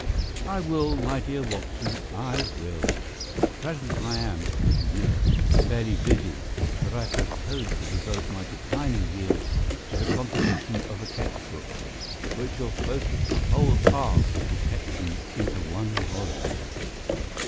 "I will, my dear Watson, I will. At present I am, as you know, fairly busy, but I propose to devote my declining years to the composition of a textbook, which shall focus the whole art of detection into one volume.